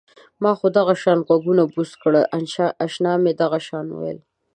ما دغه شان غوږونه بوڅ کړل اشنا مې دغه شان وویل.